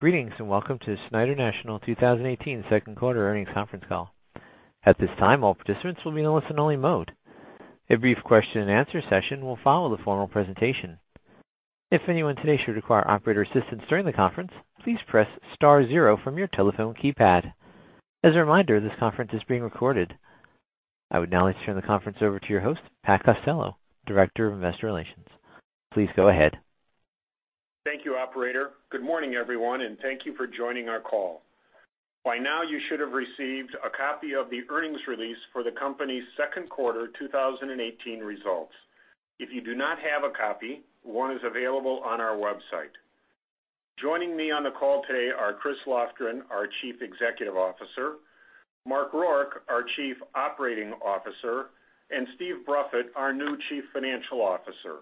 Greetings and welcome to Schneider National 2018 Q2 earnings conference call. At this time, all participants will be in a listen-only mode. A brief question-and-answer session will follow the formal presentation. If anyone today should require operator assistance during the conference, please press star zero from your telephone keypad. As a reminder, this conference is being recorded. I would now like to turn the conference over to your host, Pat Costello, Director of Investor Relations. Please go ahead. Thank you, operator. Good morning, everyone, and thank you for joining our call. By now, you should have received a copy of the earnings release for the company's Q2 2018 results. If you do not have a copy, one is available on our website. Joining me on the call today are Chris Lofgren, our Chief Executive Officer, Mark Rourke, our Chief Operating Officer, and Steve Bruffett, our new Chief Financial Officer.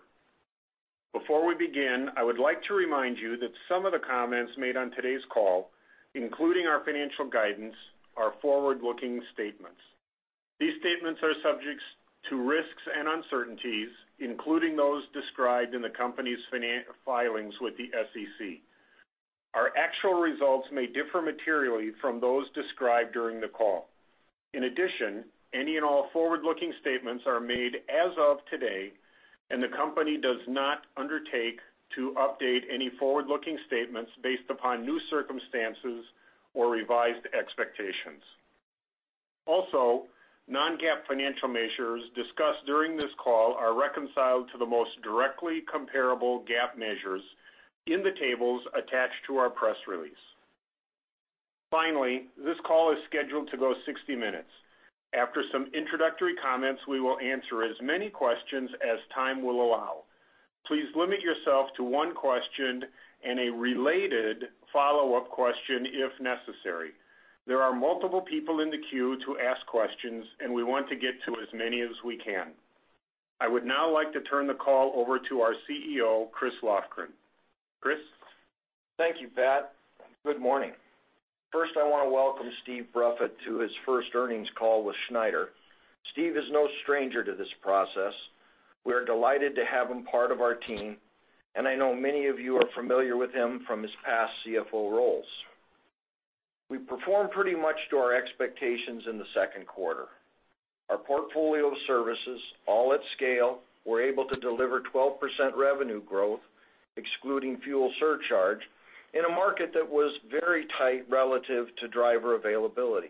Before we begin, I would like to remind you that some of the comments made on today's call, including our financial guidance, are forward-looking statements. These statements are subject to risks and uncertainties, including those described in the company's final filings with the SEC. Our actual results may differ materially from those described during the call. In addition, any and all forward-looking statements are made as of today, and the company does not undertake to update any forward-looking statements based upon new circumstances or revised expectations. Also, non-GAAP financial measures discussed during this call are reconciled to the most directly comparable GAAP measures in the tables attached to our press release. Finally, this call is scheduled to go 60 minutes. After some introductory comments, we will answer as many questions as time will allow. Please limit yourself to one question and a related follow-up question if necessary. There are multiple people in the queue to ask questions, and we want to get to as many as we can. I would now like to turn the call over to our CEO, Chris Lofgren. Chris? Thank you, Pat. Good morning. First, I want to welcome Steve Bruffett to his first earnings call with Schneider. Steve is no stranger to this process. We are delighted to have him part of our team, and I know many of you are familiar with him from his past CFO roles. We performed pretty much to our expectations in the Q2 Our portfolio of services, all at scale, were able to deliver 12% revenue growth, excluding fuel surcharge, in a market that was very tight relative to driver availability.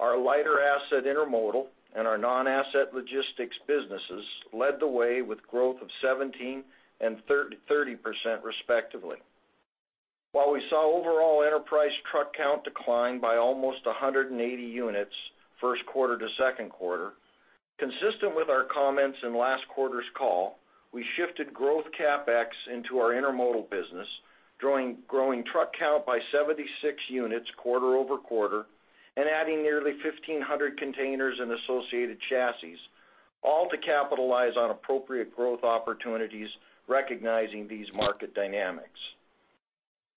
Our lighter asset intermodal and our non-asset logistics businesses led the way with growth of 17 and 30%, respectively. While we saw overall enterprise truck count decline by almost 180 units Q1 to Q2, consistent with our comments in last quarter's call, we shifted growth CapEx into our intermodal business, growing truck count by 76 units quarter-over-quarter and adding nearly 1,500 containers and associated chassis, all to capitalize on appropriate growth opportunities recognizing these market dynamics.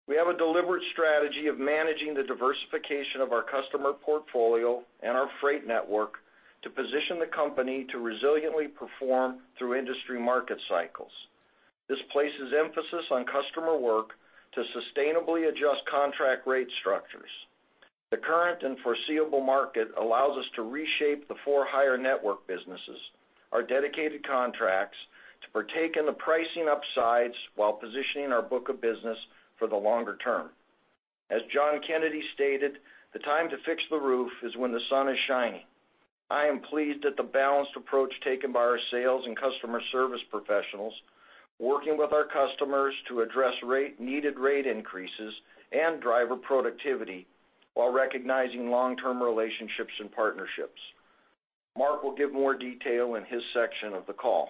We have a deliberate strategy of managing the diversification of our customer portfolio and our freight network to position the company to resiliently perform through industry market cycles. This places emphasis on customer work to sustainably adjust contract rate structures. The current and foreseeable market allows us to reshape the for-hire network businesses, our dedicated contracts, to partake in the pricing upsides while positioning our book of business for the longer term. As John Kennedy stated, "The time to fix the roof is when the sun is shining." I am pleased at the balanced approach taken by our sales and customer service professionals, working with our customers to address rate, needed rate increases and driver productivity while recognizing long-term relationships and partnerships. Mark will give more detail in his section of the call.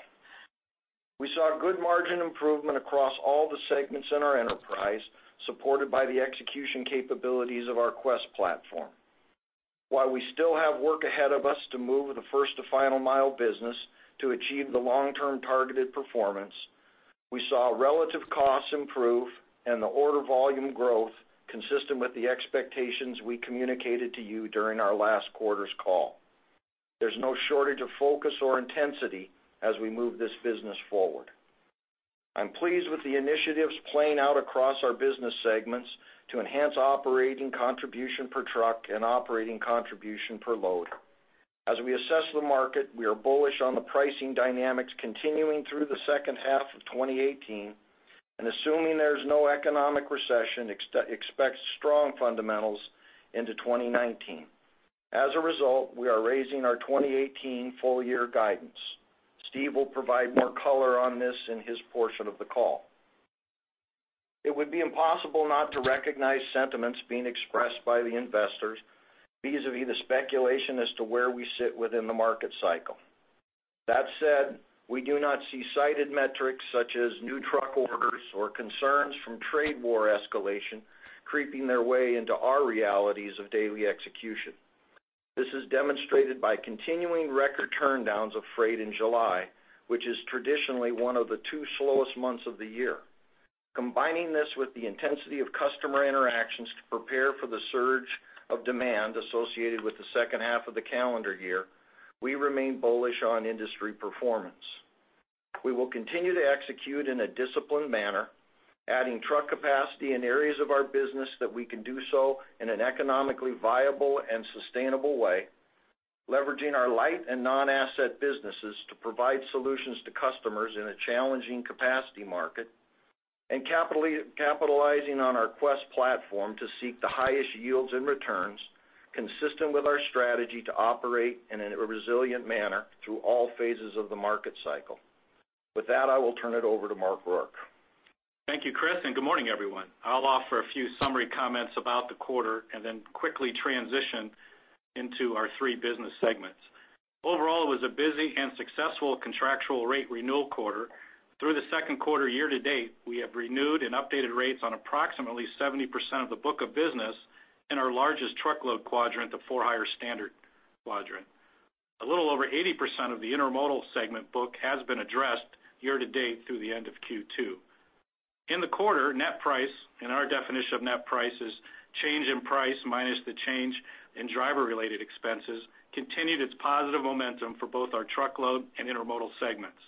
We saw good margin improvement across all the segments in our enterprise, supported by the execution capabilities of our Quest platform. While we still have work ahead of us to move the First to Final Mile business to achieve the long-term targeted performance, we saw relative costs improve and the order volume growth consistent with the expectations we communicated to you during our last quarter's call. There's no shortage of focus or intensity as we move this business forward. I'm pleased with the initiatives playing out across our business segments to enhance operating contribution per truck and operating contribution per load. As we assess the market, we are bullish on the pricing dynamics continuing through the H2 of 2018, and assuming there's no economic recession, expect strong fundamentals into 2019. As a result, we are raising our 2018 full-year guidance. Steve will provide more color on this in his portion of the call. It would be impossible not to recognize sentiments being expressed by the investors vis-à-vis the speculation as to where we sit within the market cycle. That said, we do not see cited metrics such as new truck orders or concerns from trade war escalation creeping their way into our realities of daily execution. This is demonstrated by continuing record turndowns of freight in July, which is traditionally one of the two slowest months of the year. Combining this with the intensity of customer interactions to prepare for the surge of demand associated with the H2 of the calendar year, we remain bullish on industry performance. We will continue to execute in a disciplined manner, adding truck capacity in areas of our business that we can do so in an economically viable and sustainable way, leveraging our light and non-asset businesses to provide solutions to customers in a challenging capacity market, and capitalizing on our Quest platform to seek the highest yields and returns consistent with our strategy to operate in a resilient manner through all phases of the market cycle. With that, I will turn it over to Mark Rourke. Thank you, Chris, and good morning, everyone. I'll offer a few summary comments about the quarter and then quickly transition into our three business segments. Overall, it was a busy and successful contractual rate renewal quarter. Through the Q2 year to date, we have renewed and updated rates on approximately 70% of the book of business in our largest truckload quadrant, the for-hire standard quadrant. A little over 80% of the intermodal segment book has been addressed year to date through the end of Q2. In the quarter, net price, and our definition of net price is change in price minus the change in driver-related expenses, continued its positive momentum for both our truckload and intermodal segments.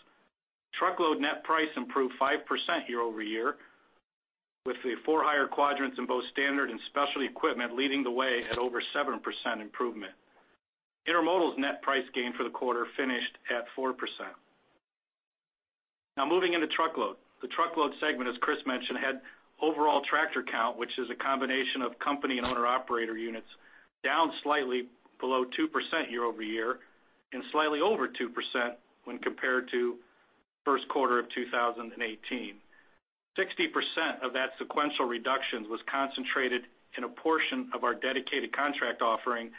Truckload net price improved 5% year-over-year, with the for-hire quadrants in both standard and special equipment leading the way at over 7% improvement. Intermodal's net price gain for the quarter finished at 4%. Now, moving into truckload. The truckload segment, as Chris mentioned, had overall tractor count, which is a combination of company and owner-operator units, down slightly below 2% year-over-year and slightly over 2% when compared to Q1 of 2018. 60% of that sequential reductions was concentrated in a portion of our dedicated contract offering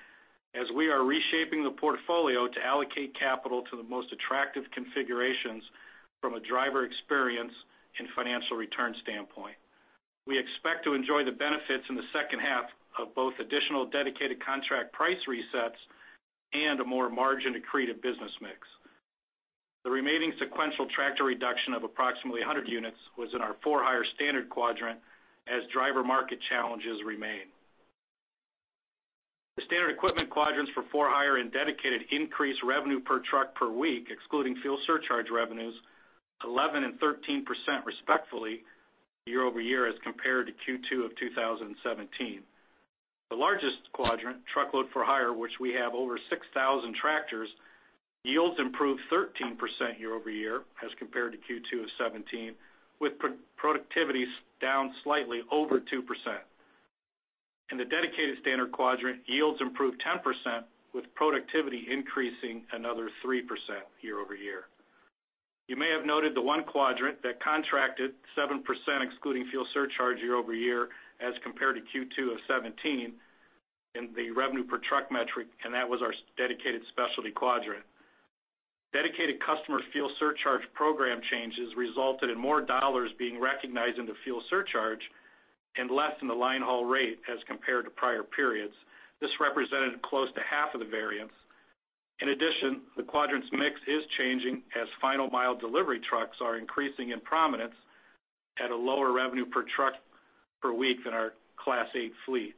as we are reshaping the portfolio to allocate capital to the most attractive configurations from a driver experience and financial return standpoint. We expect to enjoy the benefits in the H2 of both additional dedicated contract price resets and a more margin-accretive business mix. The remaining sequential tractor reduction of approximately 100 units was in our for-hire standard quadrant as driver market challenges remain. The standard equipment quadrants for for-hire and dedicated increased revenue per truck per week, excluding fuel surcharge revenues, 11% and 13% respectively year-over-year as compared to Q2 of 2017. The largest quadrant, truckload for hire, which we have over 6,000 tractors, yields improved 13% year-over-year as compared to Q2 of 2017, with productivities down slightly over 2%. In the dedicated standard quadrant, yields improved 10%, with productivity increasing another 3% year-over-year. You may have noted the one quadrant that contracted 7% excluding fuel surcharge year-over-year as compared to Q2 of 2017 in the revenue per truck metric, and that was our dedicated specialty quadrant. Dedicated customer fuel surcharge program changes resulted in more dollars being recognized in the fuel surcharge and less in the line haul rate as compared to prior periods. This represented close to half of the variance. In addition, the quadrant's mix is changing as final mile delivery trucks are increasing in prominence at a lower revenue per truck per week than our Class 8 fleet.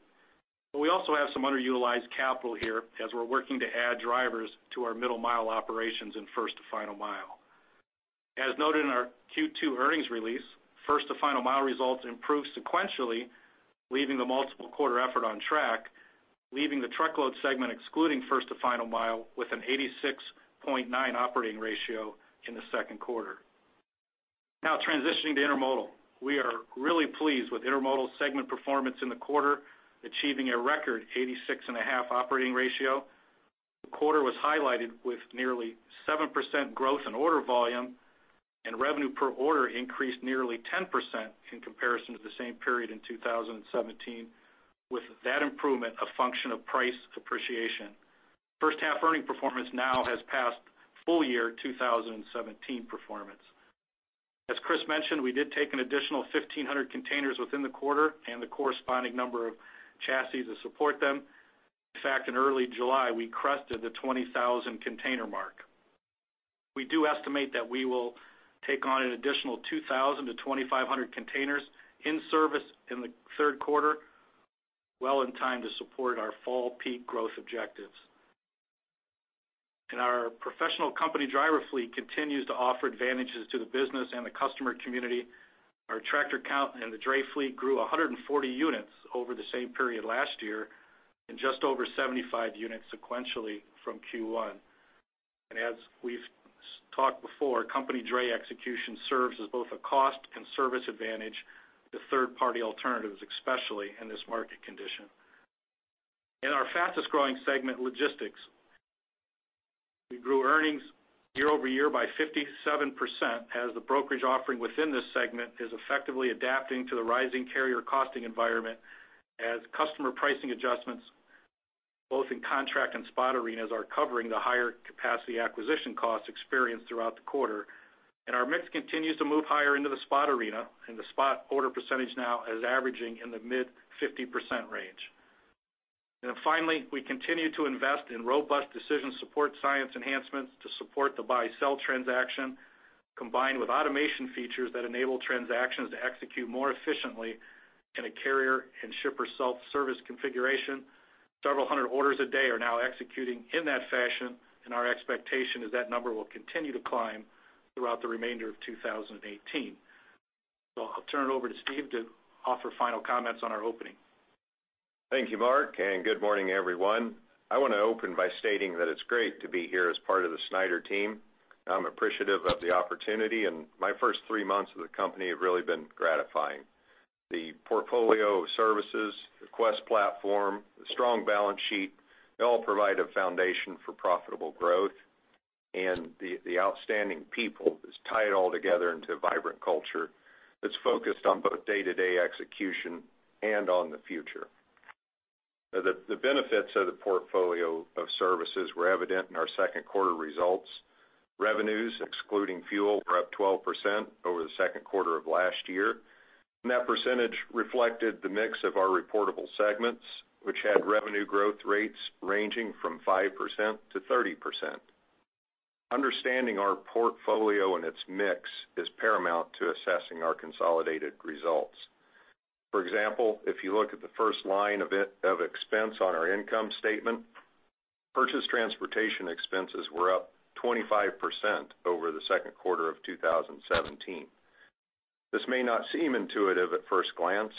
But we also have some underutilized capital here as we're working to add drivers to our middle mile operations in First to Final Mile. As noted in our Q2 earnings release, First to Final Mile results improved sequentially, leaving the multiple quarter effort on track, leaving the truckload segment excluding First to Final Mile with an 86.9 operating ratio in the Q2. Now, transitioning to Intermodal. We are really pleased with Intermodal segment performance in the quarter, achieving a record 86.5 operating ratio. The quarter was highlighted with nearly 7% growth in order volume and revenue per order increased nearly 10% in comparison to the same period in 2017, with that improvement a function of price appreciation. H1 earnings performance now has passed full year 2017 performance. As Chris mentioned, we did take an additional 1,500 containers within the quarter and the corresponding number of chassis to support them. In fact, in early July, we crested the 20,000 container mark. We do estimate that we will take on an additional 2,000-2,500 containers in service in the Q3, well in time to support our fall peak growth objectives. Our professional company driver fleet continues to offer advantages to the business and the customer community. Our tractor count in the dray fleet grew 140 units over the same period last year and just over 75 units sequentially from Q1. As we've talked before, company dray execution serves as both a cost and service advantage to third-party alternatives, especially in this market condition. In our fastest-growing segment, logistics, we grew earnings year-over-year by 57% as the brokerage offering within this segment is effectively adapting to the rising carrier costing environment as customer pricing adjustments, both in contract and spot arenas, are covering the higher capacity acquisition costs experienced throughout the quarter. Our mix continues to move higher into the spot arena, and the spot order percentage now is averaging in the mid-50% range. Finally, we continue to invest in robust decision support science enhancements to support the buy-sell transaction, combined with automation features that enable transactions to execute more efficiently in a carrier and shipper self-service configuration. Several hundred orders a day are now executing in that fashion, and our expectation is that number will continue to climb throughout the remainder of 2018. I'll turn it over to Steve to offer final comments on our opening. Thank you, Mark, and good morning, everyone. I want to open by stating that it's great to be here as part of the Schneider team. I'm appreciative of the opportunity, and my first three months at the company have really been gratifying. The portfolio of services, the Quest platform, the strong balance sheet, all provide a foundation for profitable growth. And the outstanding people, this tied all together into a vibrant culture that's focused on both day-to-day execution and on the future. The benefits of the portfolio of services were evident in our Q2 results. Revenues, excluding fuel, were up 12% over the Q2 of last year. And that percentage reflected the mix of our reportable segments, which had revenue growth rates ranging from 5%-30%. Understanding our portfolio and its mix is paramount to assessing our consolidated results. For example, if you look at the first line of expense on our income statement, purchased transportation expenses were up 25% over the Q2 of 2017. This may not seem intuitive at first glance,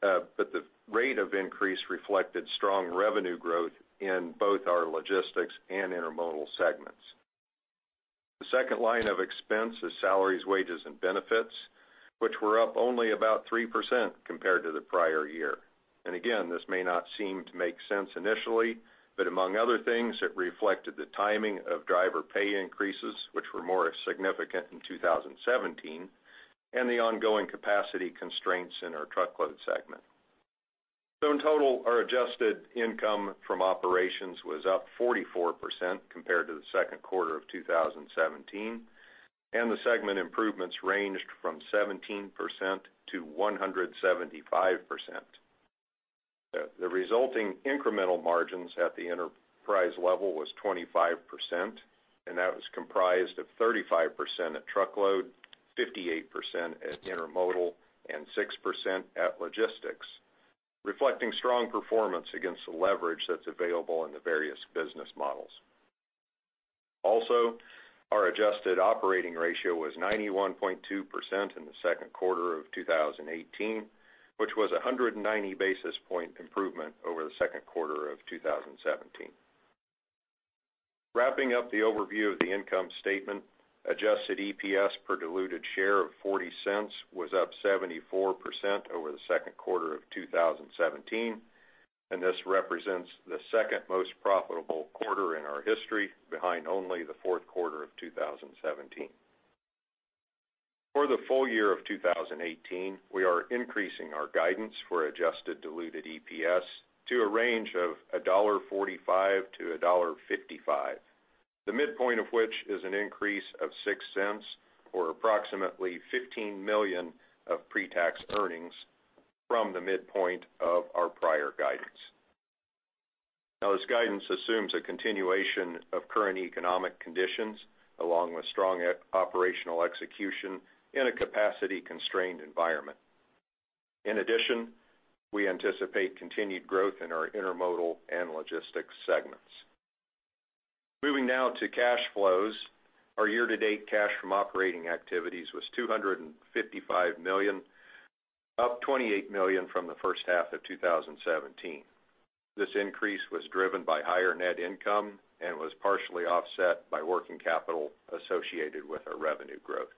but the rate of increase reflected strong revenue growth in both our logistics and intermodal segments. The second line of expense is salaries, wages, and benefits, which were up only about 3% compared to the prior year. And again, this may not seem to make sense initially, but among other things, it reflected the timing of driver pay increases, which were more significant in 2017, and the ongoing capacity constraints in our truckload segment. So in total, our adjusted income from operations was up 44% compared to the Q2 of 2017, and the segment improvements ranged from 17% to 175%. The resulting incremental margins at the enterprise level was 25%, and that was comprised of 35% at truckload, 58% at intermodal, and 6% at logistics, reflecting strong performance against the leverage that's available in the various business models. Also, our adjusted operating ratio was 91.2% in the Q2 of 2018, which was a 190 basis point improvement over the Q2 of 2017. Wrapping up the overview of the income statement, adjusted EPS per diluted share of 0.40 was up 74% over the Q2 of 2017. This represents the second most profitable quarter in our history, behind only the Q4 of 2017. For the full year of 2018, we are increasing our guidance for adjusted diluted EPS to a range of $1.45-$1.55, the midpoint of which is an increase of $0.06 or approximately $15 million of pre-tax earnings from the midpoint of our prior guidance. Now, this guidance assumes a continuation of current economic conditions along with strong operational execution in a capacity-constrained environment. In addition, we anticipate continued growth in our intermodal and logistics segments. Moving now to cash flows, our year-to-date cash from operating activities was $255 million, up $28 million from the H1 of 2017. This increase was driven by higher net income and was partially offset by working capital associated with our revenue growth.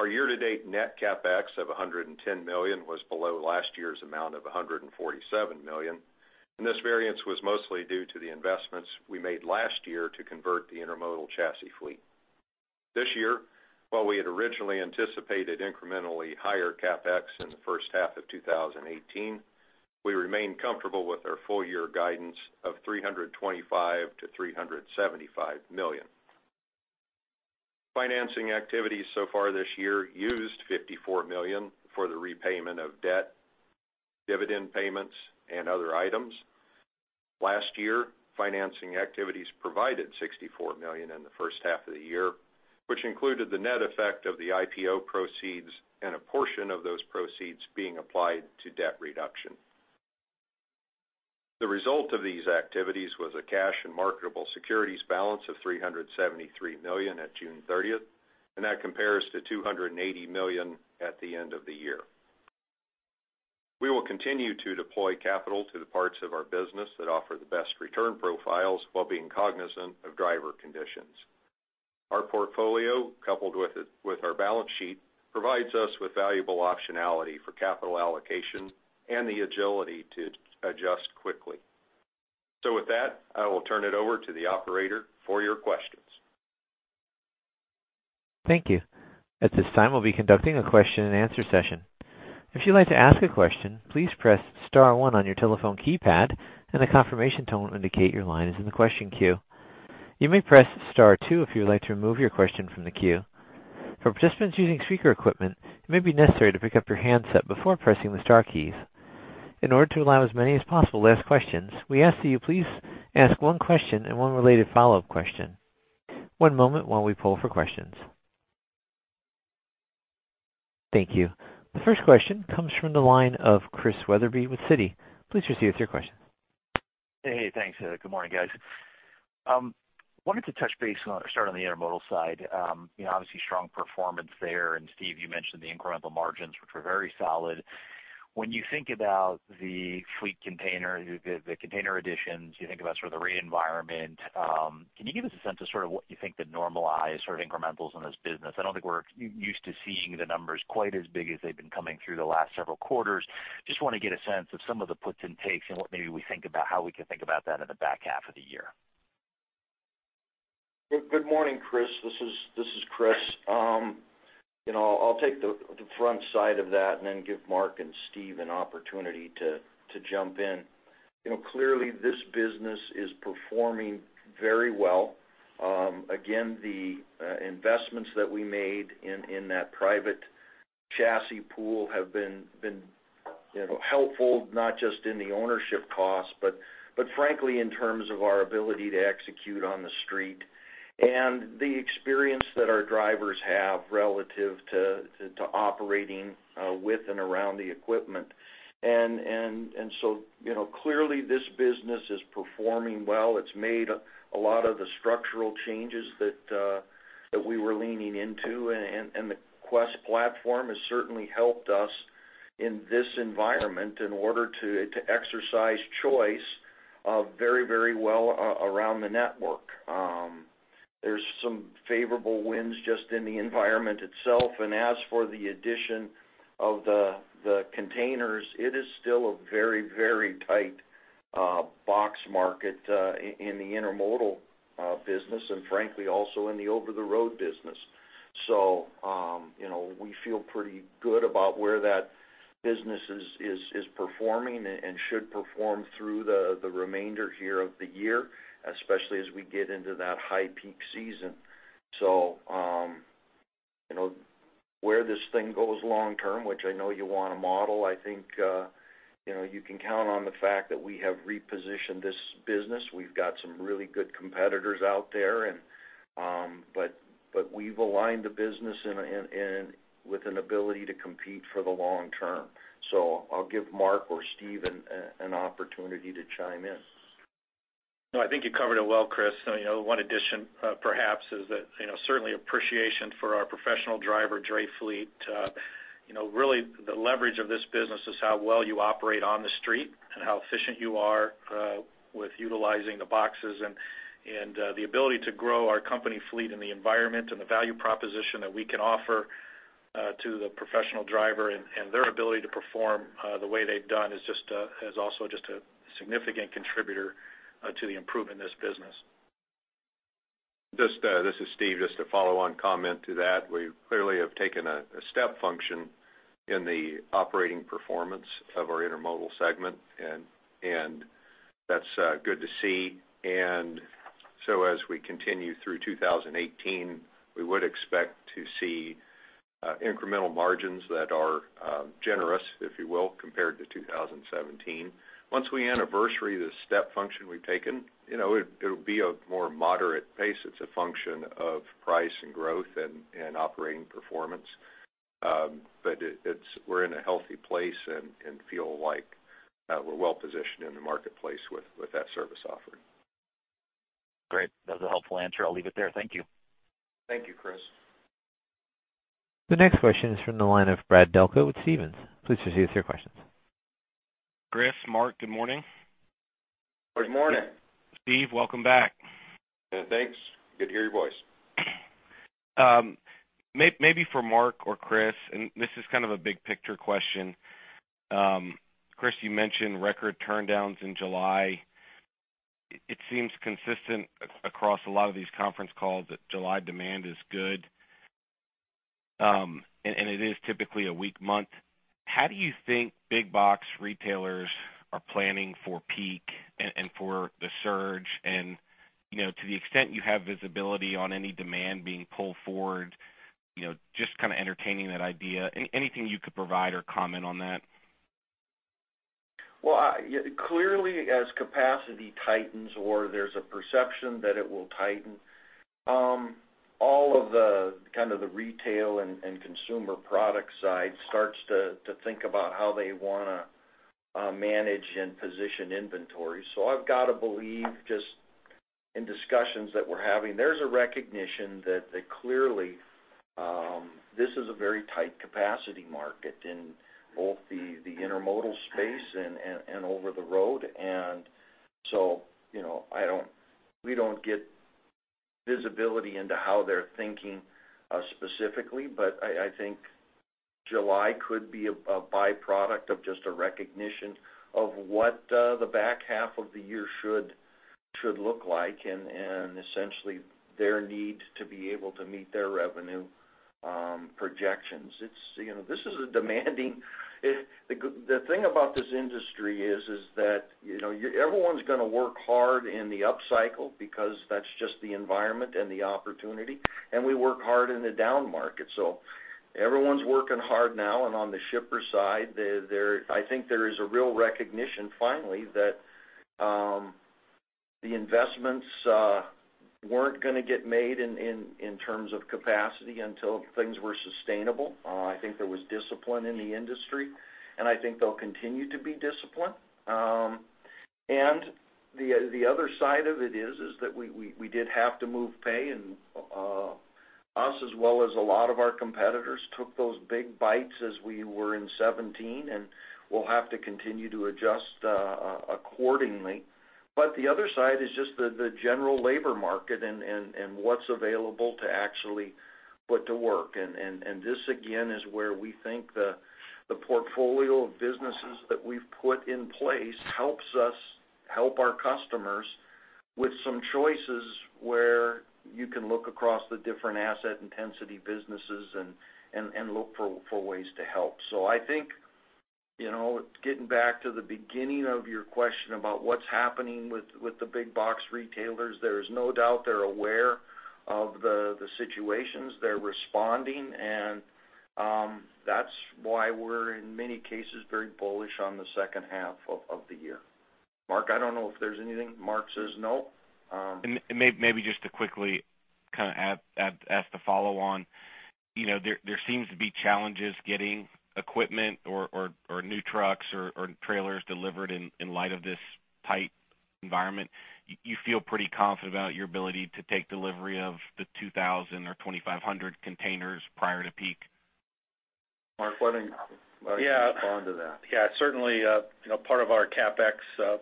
Our year-to-date net CapEx of $110 million was below last year's amount of $147 million. This variance was mostly due to the investments we made last year to convert the intermodal chassis fleet. This year, while we had originally anticipated incrementally higher CapEx in the H1 of 2018, we remained comfortable with our full year guidance of $325-$375 million. Financing activities so far this year used $54 million for the repayment of debt, dividend payments, and other items. Last year, financing activities provided $64 million in the H1 of the year, which included the net effect of the IPO proceeds and a portion of those proceeds being applied to debt reduction. The result of these activities was a cash and marketable securities balance of $373 million at June 30th, and that compares to $280 million at the end of the year. We will continue to deploy capital to the parts of our business that offer the best return profiles while being cognizant of driver conditions. Our portfolio, coupled with our balance sheet, provides us with valuable optionality for capital allocation and the agility to adjust quickly. So with that, I will turn it over to the operator for your questions. Thank you. At this time, we'll be conducting a question and answer session. If you'd like to ask a question, please press star one on your telephone keypad and the confirmation tone will indicate your line is in the question queue. You may press star two if you'd like to remove your question from the queue. For participants using speaker equipment, it may be necessary to pick up your handset before pressing the star keys. In order to allow as many as possible to ask questions, we ask that you please ask one question and one related follow-up question. One moment while we pull for questions. Thank you. The first question comes from the line of Chris Wetherbee with Citi. Please proceed with your question. Hey, thanks. Good morning, guys. Wanted to touch base on starting on the intermodal side. Obviously, strong performance there. And Steve, you mentioned the incremental margins, which were very solid. When you think about the fleet container, the container additions, you think about sort of the rate environment, can you give us a sense of sort of what you think the normalized sort of incrementals in this business? I don't think we're used to seeing the numbers quite as big as they've been coming through the last several quarters. Just want to get a sense of some of the puts and takes and what maybe we think about how we can think about that in the back half of the year. Good morning, Chris. This is Chris. I'll take the front side of that and then give Mark and Steve an opportunity to jump in. Clearly, this business is performing very well. Again, the investments that we made in that private chassis pool have been helpful, not just in the ownership costs, but frankly, in terms of our ability to execute on the street and the experience that our drivers have relative to operating with and around the equipment. And so clearly, this business is performing well. It's made a lot of the structural changes that we were leaning into. And the Quest platform has certainly helped us in this environment in order to exercise choice very, very well around the network. There's some favorable winds just in the environment itself. As for the addition of the containers, it is still a very, very tight box market in the intermodal business and frankly, also in the over-the-road business. So we feel pretty good about where that business is performing and should perform through the remainder here of the year, especially as we get into that high peak season. So where this thing goes long term, which I know you want to model, I think you can count on the fact that we have repositioned this business. We've got some really good competitors out there, but we've aligned the business with an ability to compete for the long term. So I'll give Mark or Steve an opportunity to chime in. No, I think you covered it well, Chris. One addition, perhaps, is that certainly appreciation for our professional driver dray fleet. Really, the leverage of this business is how well you operate on the street and how efficient you are with utilizing the boxes and the ability to grow our company fleet in the environment and the value proposition that we can offer to the professional driver and their ability to perform the way they've done is also just a significant contributor to the improvement in this business. This is Steve. Just a follow-on comment to that. We clearly have taken a step function in the operating performance of our intermodal segment, and that's good to see. And so as we continue through 2018, we would expect to see incremental margins that are generous, if you will, compared to 2017. Once we anniversary the step function we've taken, it'll be a more moderate pace. It's a function of price and growth and operating performance. But we're in a healthy place and feel like we're well positioned in the marketplace with that service offering. Great. That was a helpful answer. I'll leave it there. Thank you. Thank you, Chris. The next question is from the line of Brad Delco with Stephens. Please proceed with your questions. Chris, Mark, good morning. Good morning. Steve, welcome back. Thanks. Good to hear your voice. Maybe for Mark or Chris, and this is kind of a big picture question. Chris, you mentioned record turndowns in July. It seems consistent across a lot of these conference calls that July demand is good, and it is typically a weak month. How do you think big box retailers are planning for peak and for the surge? And to the extent you have visibility on any demand being pulled forward, just kind of entertaining that idea, anything you could provide or comment on that? Well, clearly, as capacity tightens or there's a perception that it will tighten, all of the kind of the retail and consumer product side starts to think about how they want to manage and position inventory. So I've got to believe just in discussions that we're having, there's a recognition that clearly, this is a very tight capacity market in both the intermodal space and over the road. And so we don't get visibility into how they're thinking specifically, but I think July could be a byproduct of just a recognition of what the back half of the year should look like and essentially their need to be able to meet their revenue projections. This is the demanding thing about this industry is that everyone's going to work hard in the upcycle because that's just the environment and the opportunity. And we work hard in the down market. So everyone's working hard now. On the shipper side, I think there is a real recognition, finally, that the investments weren't going to get made in terms of capacity until things were sustainable. I think there was discipline in the industry, and I think they'll continue to be disciplined. The other side of it is that we did have to move pay, and us as well as a lot of our competitors took those big bites as we were in 2017, and we'll have to continue to adjust accordingly. But the other side is just the general labor market and what's available to actually put to work. This, again, is where we think the portfolio of businesses that we've put in place helps us help our customers with some choices where you can look across the different asset intensity businesses and look for ways to help. So I think getting back to the beginning of your question about what's happening with the big box retailers, there is no doubt they're aware of the situations. They're responding, and that's why we're, in many cases, very bullish on the second half of the year. Mark, I don't know if there's anything. Mark says no. Maybe just to quickly kind of ask the follow-on, there seems to be challenges getting equipment or new trucks or trailers delivered in light of this tight environment. You feel pretty confident about your ability to take delivery of the 2,000 or 2,500 containers prior to peak? Mark, why don't you respond to that? Yeah. Certainly, part of our CapEx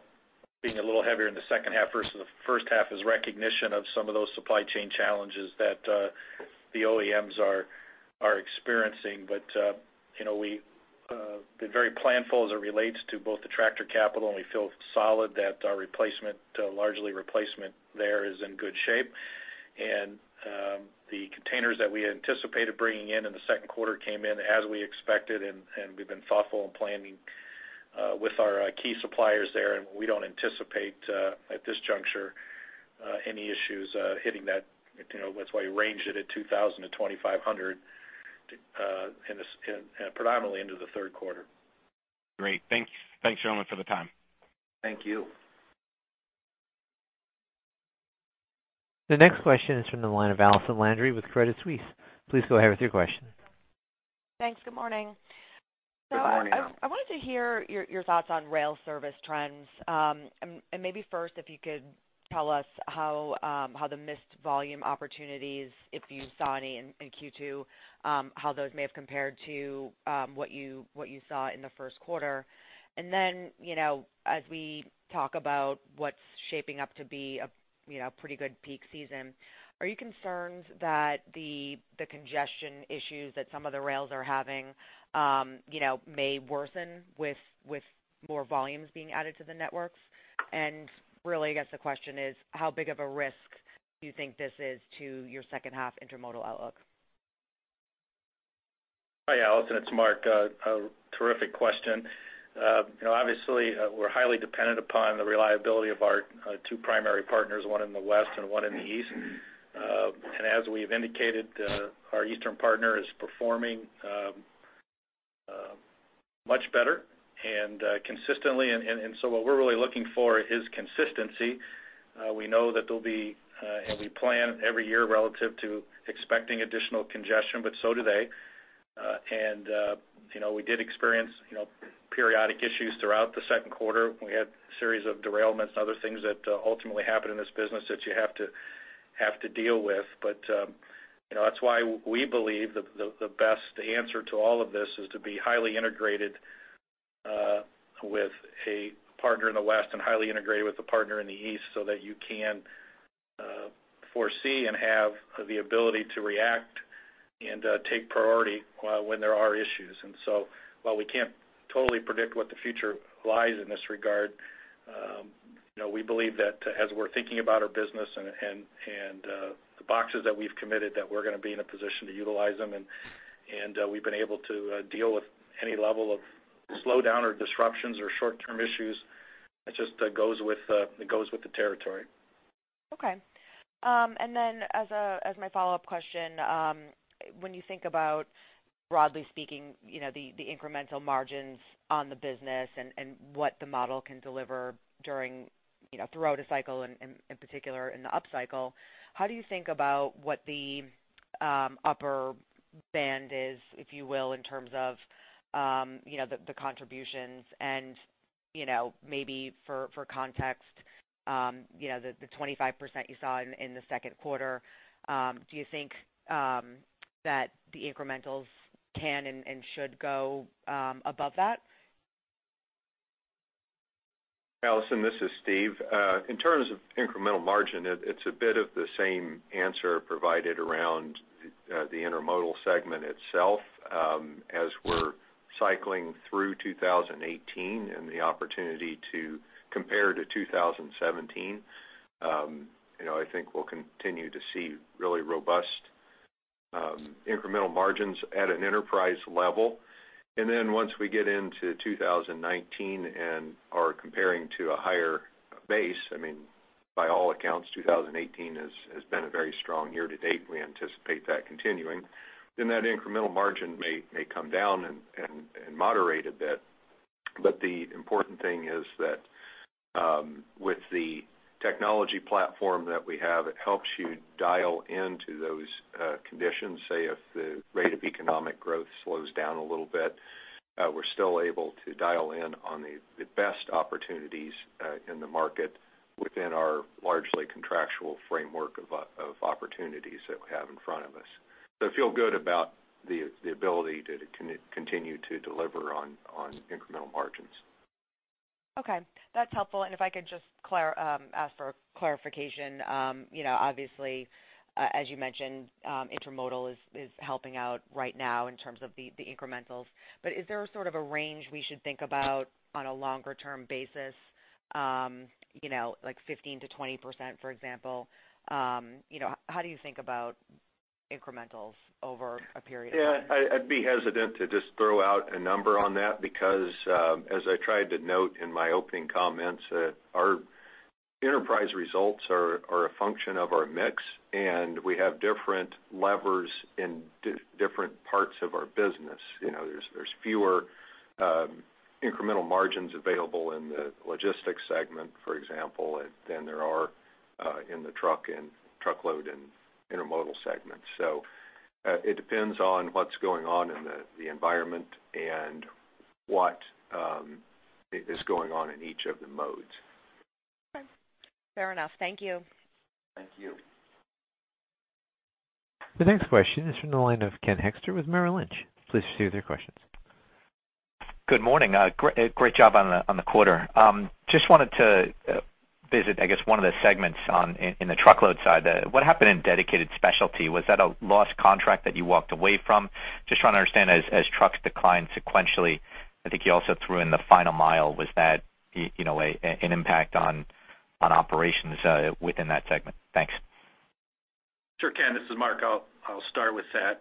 being a little heavier in the H2 versus the H1 is recognition of some of those supply chain challenges that the OEMs are experiencing. But we've been very planful as it relates to both the tractor capital, and we feel solid that our largely replacement there is in good shape. And the containers that we anticipated bringing in in the Q2 came in as we expected, and we've been thoughtful in planning with our key suppliers there. And we don't anticipate, at this juncture, any issues hitting that. That's why we ranged it at 2,000-2,500 predominantly into the Q3. Great. Thanks, gentlemen, for the time. Thank you. The next question is from the line of Allison Landry with Credit Suisse. Please go ahead with your question. Thanks. Good morning. So I wanted to hear your thoughts on rail service trends. And maybe first, if you could tell us how the missed volume opportunities, if you saw any in Q2, how those may have compared to what you saw in the Q1. And then as we talk about what's shaping up to be a pretty good peak season, are you concerned that the congestion issues that some of the rails are having may worsen with more volumes being added to the networks? And really, I guess the question is, how big of a risk do you think this is to your H2 intermodal outlook? Hi, Allison. It's Mark. Terrific question. Obviously, we're highly dependent upon the reliability of our two primary partners, one in the west and one in the east. As we have indicated, our eastern partner is performing much better and consistently. So what we're really looking for is consistency. We know that there'll be and we plan every year relative to expecting additional congestion, but so do they. We did experience periodic issues throughout the Q2. We had a series of derailments and other things that ultimately happen in this business that you have to deal with. That's why we believe the best answer to all of this is to be highly integrated with a partner in the west and highly integrated with a partner in the east so that you can foresee and have the ability to react and take priority when there are issues. And so while we can't totally predict what the future lies in this regard, we believe that as we're thinking about our business and the boxes that we've committed that we're going to be in a position to utilize them, and we've been able to deal with any level of slowdown or disruptions or short-term issues, it just goes with the territory. Okay. And then as my follow-up question, when you think about, broadly speaking, the incremental margins on the business and what the model can deliver throughout a cycle, and in particular, in the upcycle, how do you think about what the upper band is, if you will, in terms of the contributions? And maybe for context, the 25% you saw in the Q2 do you think that the incrementals can and should go above that? Allison, this is Steve. In terms of incremental margin, it's a bit of the same answer provided around the intermodal segment itself. As we're cycling through 2018 and the opportunity to compare to 2017, I think we'll continue to see really robust incremental margins at an enterprise level. And then once we get into 2019 and are comparing to a higher base, I mean, by all accounts, 2018 has been a very strong year to date. We anticipate that continuing. Then that incremental margin may come down and moderate a bit. But the important thing is that with the technology platform that we have, it helps you dial into those conditions. Say if the rate of economic growth slows down a little bit, we're still able to dial in on the best opportunities in the market within our largely contractual framework of opportunities that we have in front of us. So feel good about the ability to continue to deliver on incremental margins. Okay. That's helpful. If I could just ask for a clarification, obviously, as you mentioned, intermodal is helping out right now in terms of the incrementals. But is there sort of a range we should think about on a longer-term basis, like 15%-20%, for example? How do you think about incrementals over a period of time? Yeah. I'd be hesitant to just throw out a number on that because, as I tried to note in my opening comments, our enterprise results are a function of our mix, and we have different levers in different parts of our business. There's fewer incremental margins available in the logistics segment, for example, than there are in the truckload and intermodal segments. It depends on what's going on in the environment and what is going on in each of the modes. Okay. Fair enough. Thank you. Thank you. The next question is from the line of Ken Hoexter with Merrill Lynch. Please proceed with your questions. Good morning. Great job on the quarter. Just wanted to visit, I guess, one of the segments in the truckload side. What happened in dedicated specialty? Was that a lost contract that you walked away from? Just trying to understand, as trucks decline sequentially, I think you also threw in the final mile. Was that an impact on operations within that segment? Thanks. Sure, Ken. This is Mark. I'll start with that.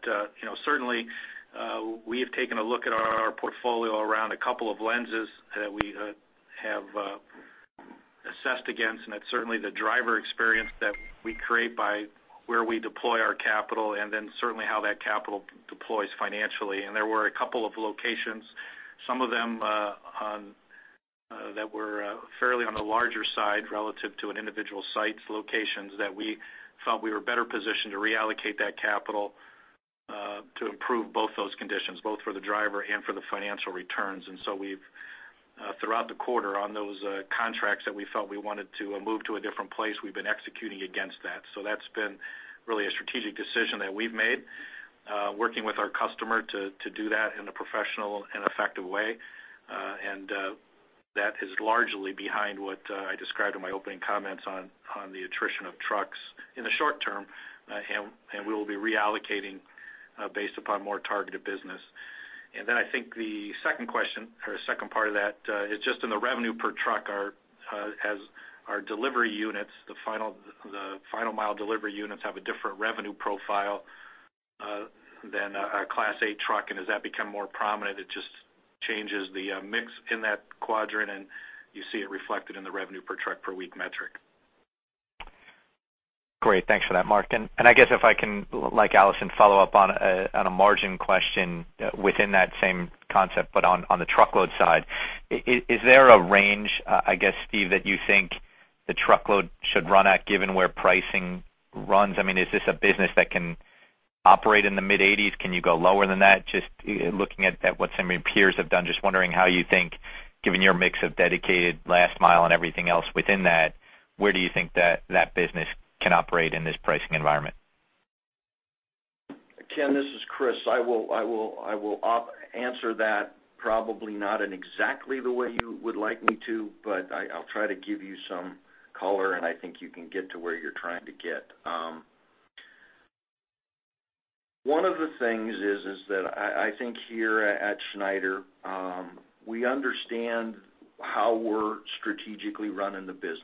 Certainly, we have taken a look at our portfolio around a couple of lenses that we have assessed against. It's certainly the driver experience that we create by where we deploy our capital and then certainly how that capital deploys financially. There were a couple of locations, some of them that were fairly on the larger side relative to individual sites, locations that we felt we were better positioned to reallocate that capital to improve both those conditions, both for the driver and for the financial returns. So throughout the quarter, on those contracts that we felt we wanted to move to a different place, we've been executing against that. That's been really a strategic decision that we've made, working with our customer to do that in a professional and effective way. That is largely behind what I described in my opening comments on the attrition of trucks in the short term, and we will be reallocating based upon more targeted business. Then I think the second question or second part of that is just in the revenue per truck. As our delivery units, the final-mile delivery units have a different revenue profile than a Class 8 truck. And has that become more prominent? It just changes the mix in that quadrant, and you see it reflected in the revenue per truck per week metric. Great. Thanks for that, Mark. I guess if I can, like Allison, follow up on a margin question within that same concept but on the truckload side, is there a range, I guess, Steve, that you think the truckload should run at given where pricing runs? I mean, is this a business that can operate in the mid-80s? Can you go lower than that? Just looking at what some of your peers have done, just wondering how you think, given your mix of dedicated last mile and everything else within that, where do you think that business can operate in this pricing environment? Ken, this is Chris. I will answer that probably not exactly the way you would like me to, but I'll try to give you some color, and I think you can get to where you're trying to get. One of the things is that I think here at Schneider, we understand how we're strategically running the business.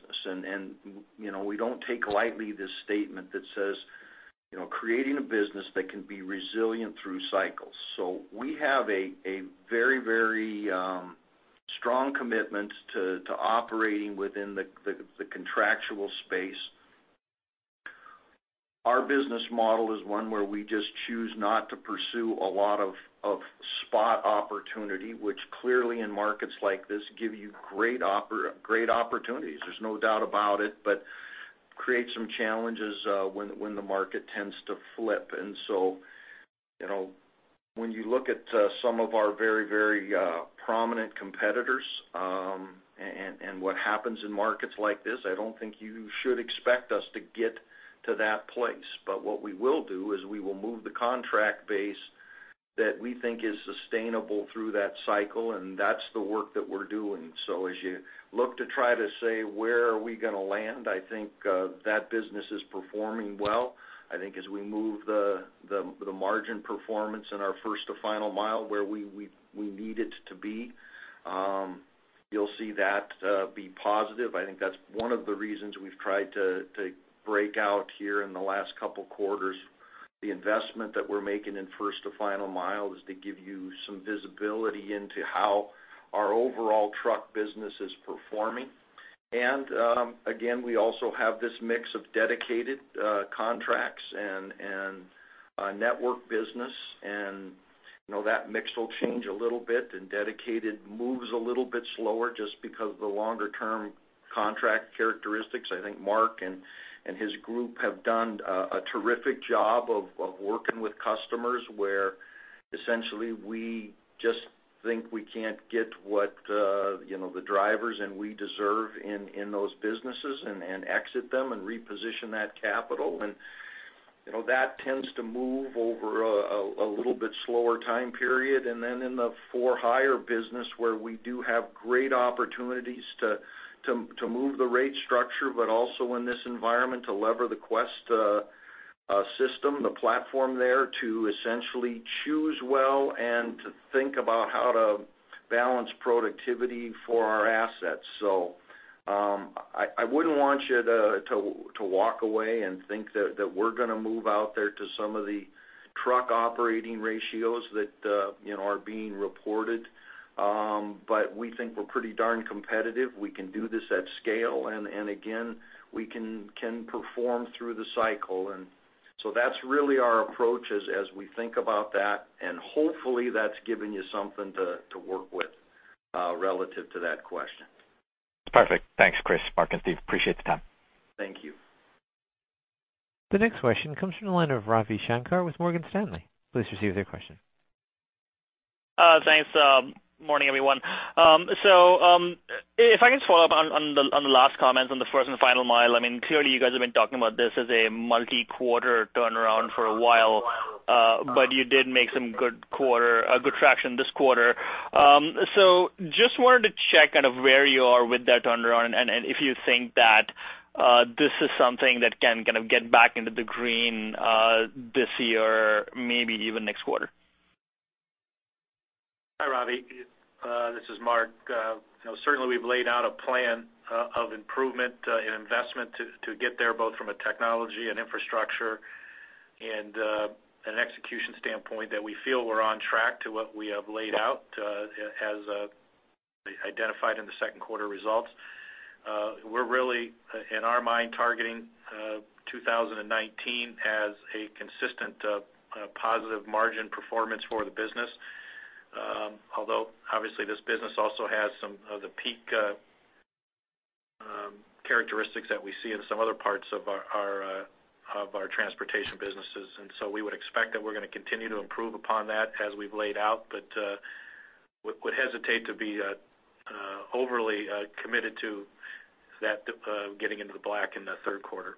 We don't take lightly this statement that says creating a business that can be resilient through cycles. We have a very, very strong commitment to operating within the contractual space. Our business model is one where we just choose not to pursue a lot of spot opportunity, which clearly, in markets like this, give you great opportunities. There's no doubt about it, but creates some challenges when the market tends to flip. And so when you look at some of our very, very prominent competitors and what happens in markets like this, I don't think you should expect us to get to that place. But what we will do is we will move the contract base that we think is sustainable through that cycle, and that's the work that we're doing. So as you look to try to say where are we going to land, I think that business is performing well. I think as we move the margin performance in our First to Final Mile where we need it to be, you'll see that be positive. I think that's one of the reasons we've tried to break out here in the last couple of quarters. The investment that we're making in First to Final Mile is to give you some visibility into how our overall truck business is performing. And again, we also have this mix of dedicated contracts and network business. And that mix will change a little bit, and dedicated moves a little bit slower just because of the longer-term contract characteristics. I think Mark and his group have done a terrific job of working with customers where, essentially, we just think we can't get what the drivers and we deserve in those businesses and exit them and reposition that capital. And that tends to move over a little bit slower time period. And then in the for-hire business where we do have great opportunities to move the rate structure, but also in this environment to leverage the Quest system, the platform there to essentially choose well and to think about how to balance productivity for our assets. So I wouldn't want you to walk away and think that we're going to move out there to some of the truck operating ratios that are being reported. But we think we're pretty darn competitive. We can do this at scale. And again, we can perform through the cycle. And so that's really our approach as we think about that. And hopefully, that's given you something to work with relative to that question. Perfect. Thanks, Chris, Mark, and Steve. Appreciate the time. Thank you. The next question comes from the line of Ravi Shankar with Morgan Stanley. Please proceed with your question. Thanks. Morning, everyone. So if I can just follow up on the last comments on the first and final mile, I mean, clearly, you guys have been talking about this as a multi-quarter turnaround for a while, but you did make some good traction this quarter. So just wanted to check kind of where you are with that turnaround and if you think that this is something that can kind of get back into the green this year, maybe even next quarter. Hi, Ravi. This is Mark. Certainly, we've laid out a plan of improvement and investment to get there both from a technology and infrastructure and an execution standpoint that we feel we're on track to what we have laid out as identified in the Q2 results. We're really, in our mind, targeting 2019 as a consistent positive margin performance for the business, although, obviously, this business also has some of the peak characteristics that we see in some other parts of our transportation businesses. And so we would expect that we're going to continue to improve upon that as we've laid out but would hesitate to be overly committed to that getting into the black in the Q3.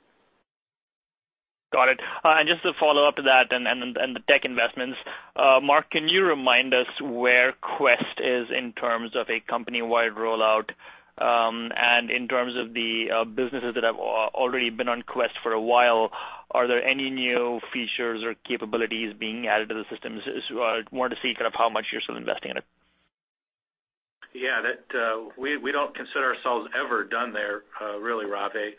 Got it. Just to follow up to that and the tech investments, Mark, can you remind us where Quest is in terms of a company-wide rollout and in terms of the businesses that have already been on Quest for a while? Are there any new features or capabilities being added to the systems? I wanted to see kind of how much you're still investing in it. Yeah. We don't consider ourselves ever done there, really, Ravi.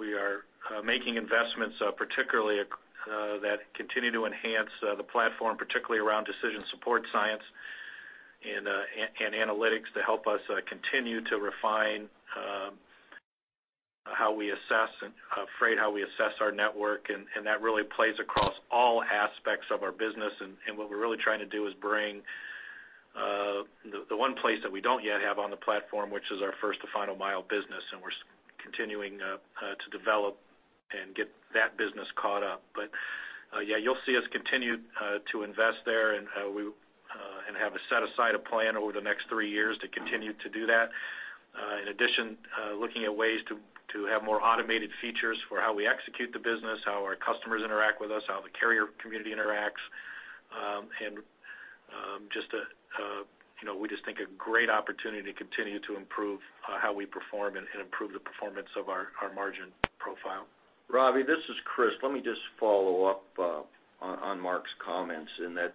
We are making investments, particularly that continue to enhance the platform, particularly around decision support science and analytics to help us continue to refine how we assess our freight, how we assess our network. That really plays across all aspects of our business. What we're really trying to do is bring the one place that we don't yet have on the platform, which is our First to Final Mile business. We're continuing to develop and get that business caught up. But yeah, you'll see us continue to invest there and have set aside a plan over the next three years to continue to do that. In addition, looking at ways to have more automated features for how we execute the business, how our customers interact with us, how the carrier community interacts. And we just think a great opportunity to continue to improve how we perform and improve the performance of our margin profile. Ravi, this is Chris. Let me just follow up on Mark's comments in that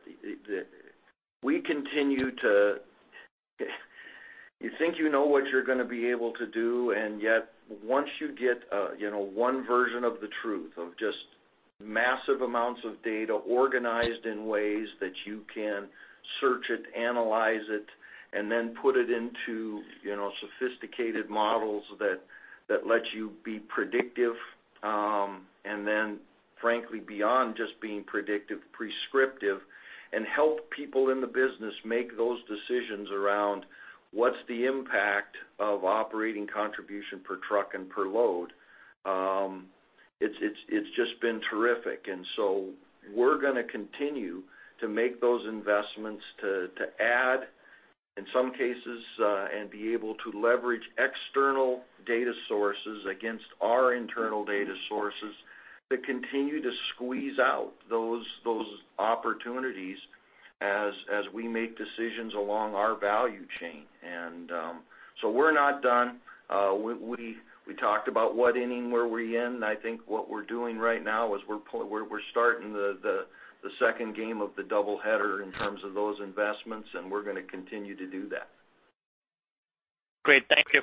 we continue to you think you know what you're going to be able to do. And yet, once you get one version of the truth of just massive amounts of data organized in ways that you can search it, analyze it, and then put it into sophisticated models that let you be predictive and then, frankly, beyond just being predictive, prescriptive, and help people in the business make those decisions around what's the impact of operating contribution per truck and per load, it's just been terrific. And so we're going to continue to make those investments to add, in some cases, and be able to leverage external data sources against our internal data sources to continue to squeeze out those opportunities as we make decisions along our value chain. And so we're not done. We talked about what inning we're in. I think what we're doing right now is we're starting the second game of the double-header in terms of those investments, and we're going to continue to do that. Great. Thank you.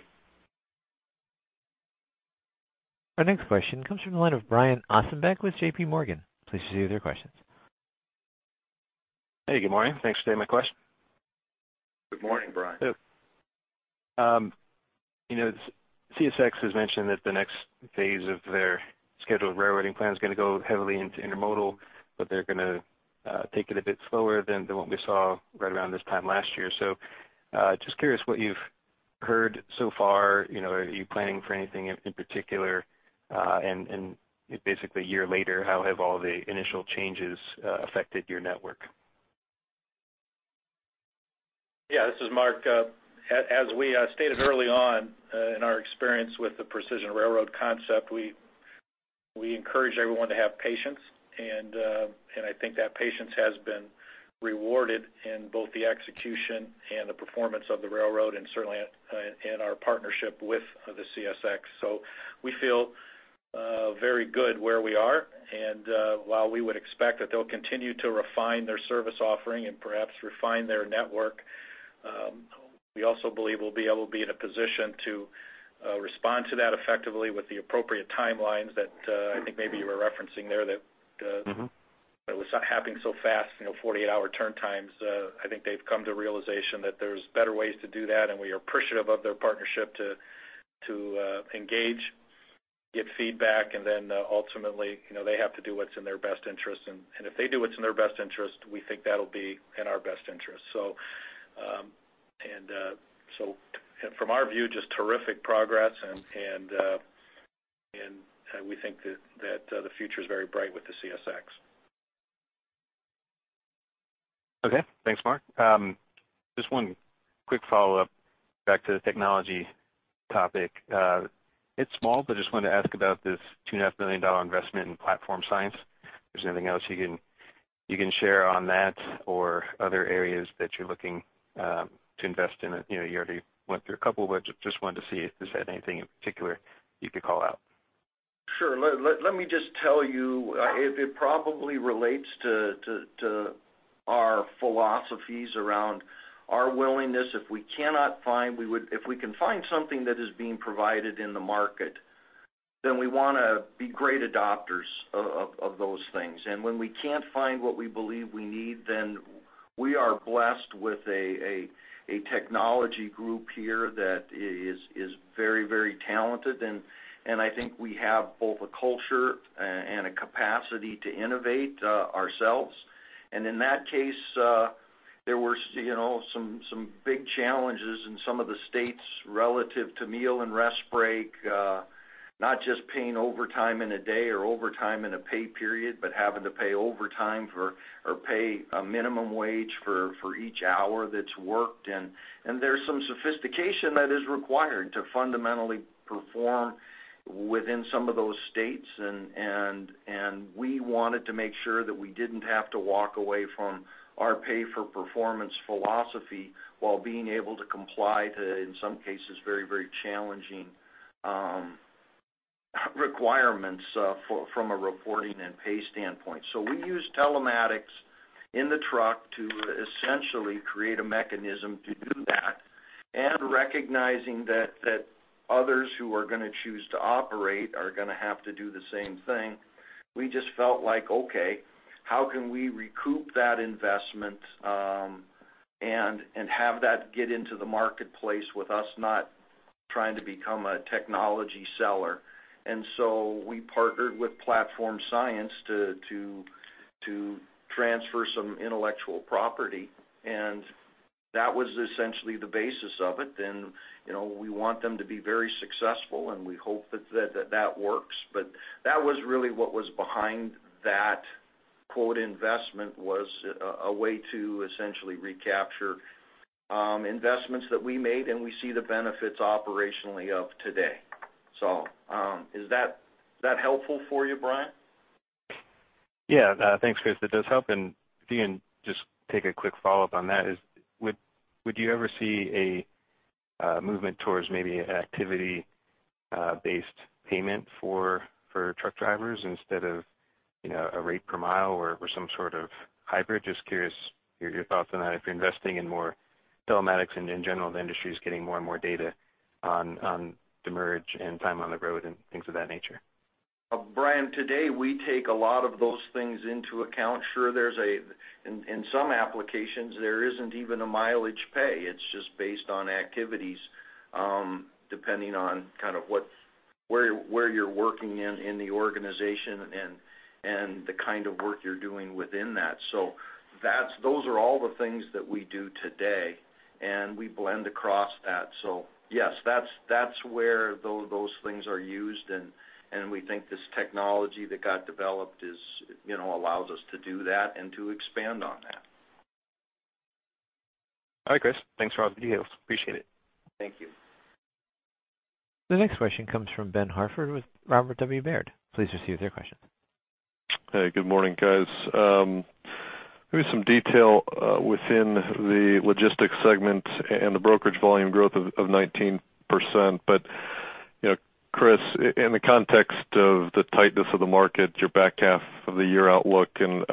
Our next question comes from the line of Brian Ossenbeck with JPMorgan. Please proceed with your questions. Hey. Good morning. Thanks for taking my question. Good morning, Brian. CSX has mentioned that the next phase of their scheduled railroading plan is going to go heavily into intermodal, but they're going to take it a bit slower than what we saw right around this time last year. So just curious what you've heard so far. Are you planning for anything in particular? And basically, a year later, how have all the initial changes affected your network? Yeah. This is Mark. As we stated early on in our experience with the precision railroad concept, we encourage everyone to have patience. I think that patience has been rewarded in both the execution and the performance of the railroad and certainly in our partnership with the CSX. We feel very good where we are. While we would expect that they'll continue to refine their service offering and perhaps refine their network, we also believe we'll be able to be in a position to respond to that effectively with the appropriate timelines that I think maybe you were referencing there that it was happening so fast, 48-hour turn times. I think they've come to realization that there's better ways to do that, and we are appreciative of their partnership to engage, get feedback, and then ultimately, they have to do what's in their best interest. If they do what's in their best interest, we think that'll be in our best interest. And so from our view, just terrific progress. And we think that the future is very bright with the CSX. Okay. Thanks, Mark. Just one quick follow-up back to the technology topic. It's small, but just wanted to ask about this $2.5 million investment in Platform Science. If there's anything else you can share on that or other areas that you're looking to invest in? You already went through a couple, but just wanted to see if there's anything in particular you could call out? Sure. Let me just tell you, it probably relates to our philosophies around our willingness. If we cannot find something that is being provided in the market, then we want to be great adopters of those things. And when we can't find what we believe we need, then we are blessed with a technology group here that is very, very talented. And I think we have both a culture and a capacity to innovate ourselves. And in that case, there were some big challenges in some of the states relative to meal and rest break, not just paying overtime in a day or overtime in a pay period but having to pay overtime or pay a minimum wage for each hour that's worked. And there's some sophistication that is required to fundamentally perform within some of those states. And we wanted to make sure that we didn't have to walk away from our pay-for-performance philosophy while being able to comply to, in some cases, very, very challenging requirements from a reporting and pay standpoint. So we used telematics in the truck to essentially create a mechanism to do that. And recognizing that others who are going to choose to operate are going to have to do the same thing, we just felt like, "Okay. How can we recoup that investment and have that get into the marketplace with us not trying to become a technology seller?" And so we partnered with Platform Science to transfer some intellectual property. And that was essentially the basis of it. And we want them to be very successful, and we hope that that works. That was really what was behind that "investment" was a way to essentially recapture investments that we made, and we see the benefits operationally of today. Is that helpful for you, Brian? Yeah. Thanks, Chris. It does help. And if you can just take a quick follow-up on that, would you ever see a movement towards maybe an activity-based payment for truck drivers instead of a rate per mile or some sort of hybrid? Just curious your thoughts on that if you're investing in more telematics and, in general, the industry is getting more and more data on the merge and time on the road and things of that nature. Brian, today, we take a lot of those things into account. Sure, in some applications, there isn't even a mileage pay. It's just based on activities depending on kind of where you're working in the organization and the kind of work you're doing within that. So those are all the things that we do today, and we blend across that. So yes, that's where those things are used. And we think this technology that got developed allows us to do that and to expand on that. All right, Chris. Thanks for all the details. Appreciate it. Thank you. The next question comes from Ben Hartford with Robert W. Baird & Co. Please proceed with your questions. Hey. Good morning, guys. Maybe some detail within the logistics segment and the brokerage volume growth of 19%. But Chris, in the context of the tightness of the market, your back half of the year outlook, and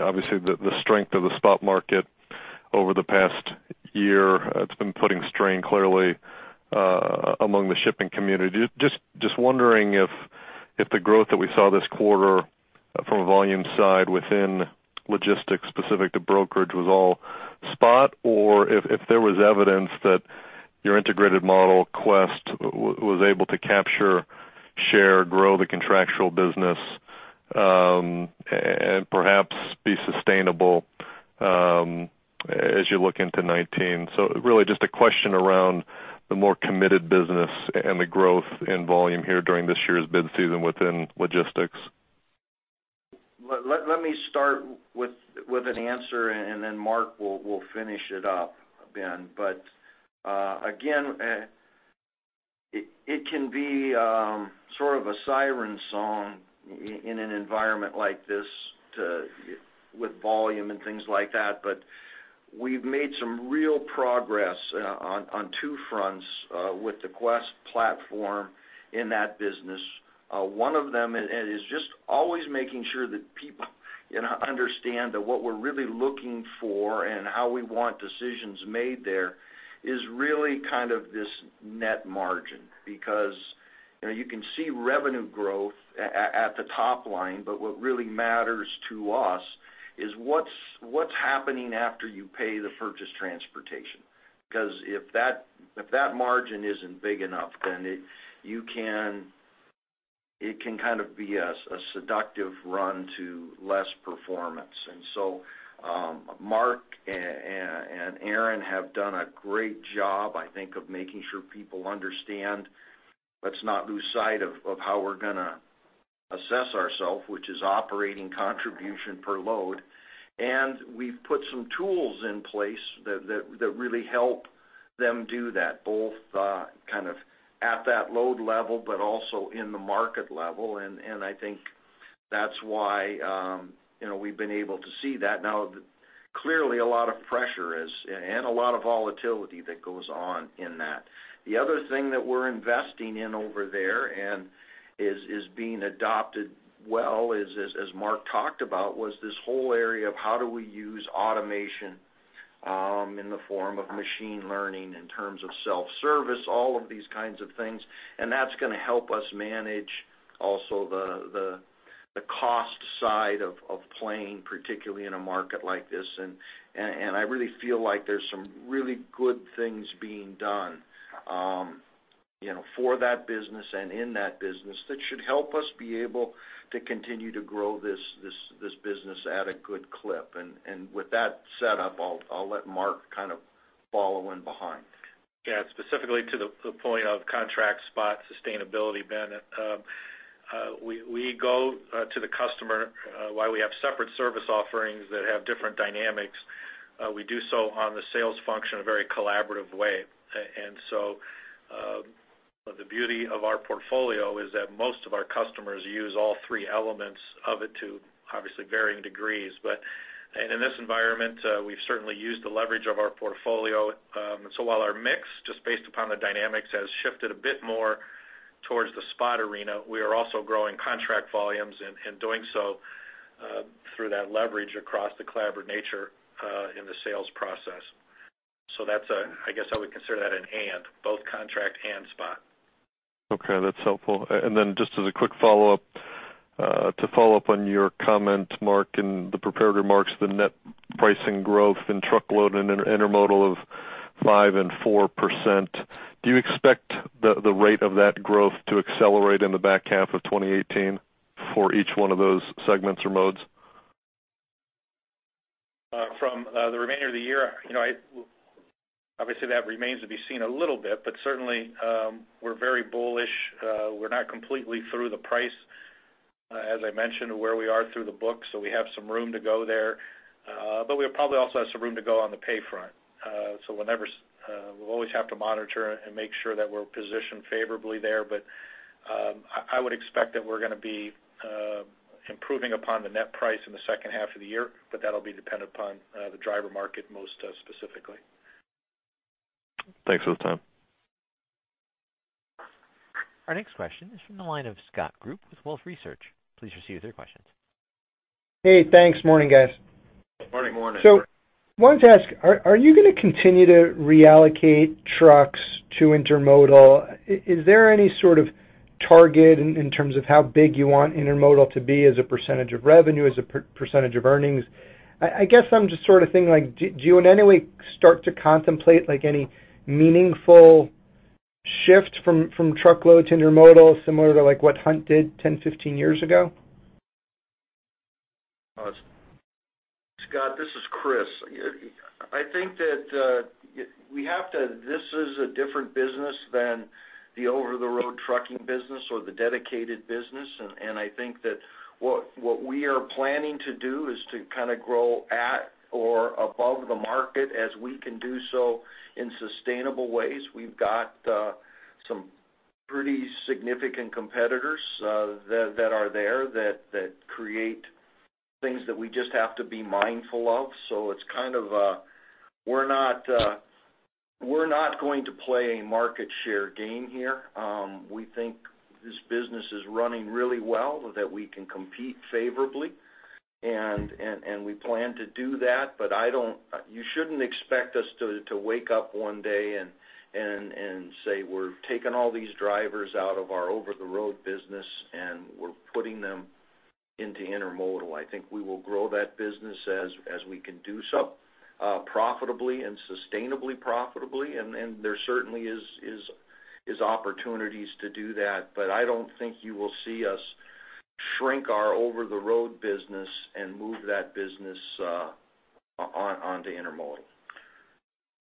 obviously, the strength of the spot market over the past year, it's been putting strain clearly among the shipping community. Just wondering if the growth that we saw this quarter from a volume side within logistics specific to brokerage was all spot or if there was evidence that your integrated model, Quest, was able to capture, share, grow the contractual business, and perhaps be sustainable as you look into 2019. So really, just a question around the more committed business and the growth in volume here during this year's bid season within logistics. Let me start with an answer, and then Mark will finish it up, Ben. But again, it can be sort of a siren song in an environment like this with volume and things like that. But we've made some real progress on two fronts with the Quest platform in that business. One of them is just always making sure that people understand that what we're really looking for and how we want decisions made there is really kind of this net margin because you can see revenue growth at the top line, but what really matters to us is what's happening after you pay the purchased transportation. Because if that margin isn't big enough, then it can kind of be a seductive run to less performance. So Mark and Erin have done a great job, I think, of making sure people understand let's not lose sight of how we're going to assess ourselves, which is operating contribution per load. We've put some tools in place that really help them do that, both kind of at that load level but also in the market level. I think that's why we've been able to see that. Now, clearly, a lot of pressure and a lot of volatility that goes on in that. The other thing that we're investing in over there and is being adopted well, as Mark talked about, was this whole area of how do we use automation in the form of machine learning in terms of self-service, all of these kinds of things. That's going to help us manage also the cost side of playing, particularly in a market like this. I really feel like there's some really good things being done for that business and in that business that should help us be able to continue to grow this business at a good clip. With that setup, I'll let Mark kind of follow in behind. Yeah. Specifically to the point of contract spot sustainability, Ben, we go to the customer why we have separate service offerings that have different dynamics. We do so on the sales function a very collaborative way. So the beauty of our portfolio is that most of our customers use all three elements of it to obviously varying degrees. In this environment, we've certainly used the leverage of our portfolio. So while our mix, just based upon the dynamics, has shifted a bit more towards the spot arena, we are also growing contract volumes in doing so through that leverage across the collaborative nature in the sales process. So I guess I would consider that an and, both contract and spot. Okay. That's helpful. And then just as a quick follow-up, to follow up on your comment, Mark, in the prepared remarks, the net pricing growth in truckload and intermodal of 5% and 4%, do you expect the rate of that growth to accelerate in the back half of 2018 for each one of those segments or modes? From the remainder of the year, obviously, that remains to be seen a little bit. But certainly, we're very bullish. We're not completely through the price, as I mentioned, where we are through the books. So we have some room to go there. But we'll probably also have some room to go on the pay front. So we'll always have to monitor and make sure that we're positioned favorably there. But I would expect that we're going to be improving upon the net price in the H2 of the year, but that'll be dependent upon the driver market most specifically. Thanks for the time. Our next question is from the line of Scott Group with Wolfe Research. Please proceed with your questions. Hey. Thanks. Morning, guys. Morning. Good morning. So I wanted to ask, are you going to continue to reallocate trucks to intermodal? Is there any sort of target in terms of how big you want intermodal to be as a percentage of revenue, as a percentage of earnings? I guess I'm just sort of thinking, do you in any way start to contemplate any meaningful shift from truckload to intermodal similar to what Hunt did 10, 15 years ago? Scott, this is Chris. I think that we have to. This is a different business than the over-the-road trucking business or the dedicated business. And I think that what we are planning to do is to kind of grow at or above the market as we can do so in sustainable ways. We've got some pretty significant competitors that are there that create things that we just have to be mindful of. So it's kind of a. We're not going to play a market share game here. We think this business is running really well that we can compete favorably. And we plan to do that. But you shouldn't expect us to wake up one day and say, "We're taking all these drivers out of our over-the-road business, and we're putting them into intermodal." I think we will grow that business as we can do so profitably and sustainably profitably. There certainly is opportunities to do that. But I don't think you will see us shrink our over-the-road business and move that business onto intermodal.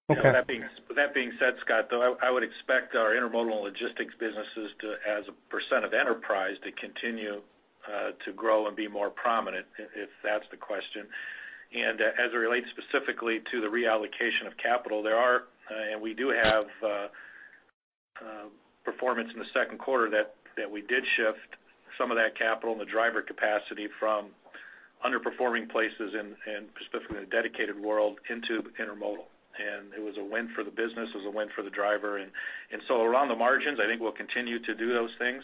With that being said, Scott, though, I would expect our intermodal and logistics businesses to, as a percent of enterprise, continue to grow and be more prominent if that's the question. And as it relates specifically to the reallocation of capital, there are and we do have performance in the Q2 that we did shift some of that capital and the driver capacity from underperforming places and specifically in the dedicated world into intermodal. And it was a win for the business. It was a win for the driver. And so around the margins, I think we'll continue to do those things.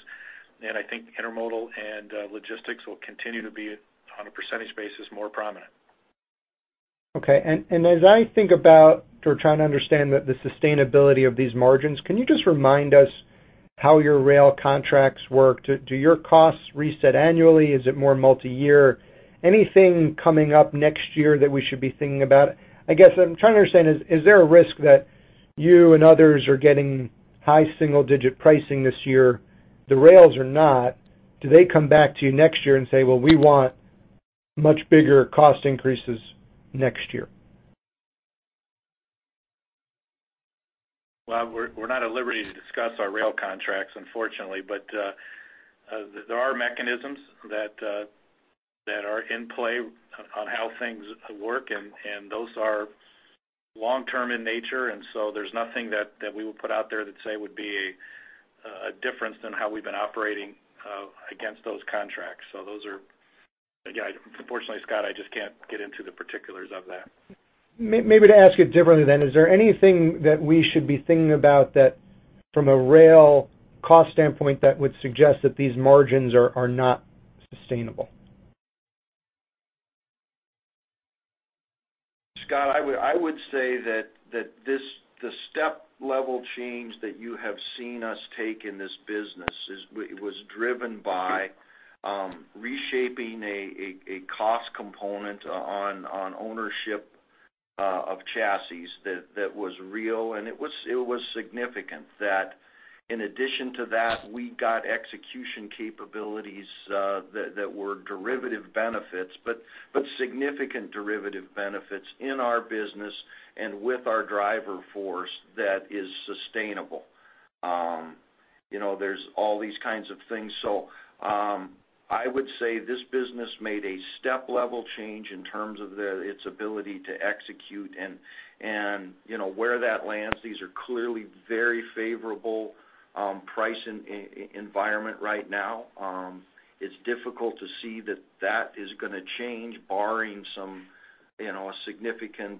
And I think intermodal and logistics will continue to be, on a percentage basis, more prominent. Okay. As I think about or trying to understand the sustainability of these margins, can you just remind us how your rail contracts work? Do your costs reset annually? Is it more multi-year? Anything coming up next year that we should be thinking about? I guess what I'm trying to understand is, is there a risk that you and others are getting high single-digit pricing this year? The rails are not. Do they come back to you next year and say, "Well, we want much bigger cost increases next year"? Well, we're not at liberty to discuss our rail contracts, unfortunately. But there are mechanisms that are in play on how things work. And those are long-term in nature. And so there's nothing that we will put out there that, say, would be a difference in how we've been operating against those contracts. So those are again, unfortunately, Scott, I just can't get into the particulars of that. Maybe to ask it differently than, is there anything that we should be thinking about from a rail cost standpoint that would suggest that these margins are not sustainable? Scott, I would say that the step-level change that you have seen us take in this business was driven by reshaping a cost component on ownership of chassis that was real. And it was significant that, in addition to that, we got execution capabilities that were derivative benefits, but significant derivative benefits in our business and with our driver force that is sustainable. There's all these kinds of things. So I would say this business made a step-level change in terms of its ability to execute. And where that lands, these are clearly very favorable pricing environment right now. It's difficult to see that that is going to change, barring a significant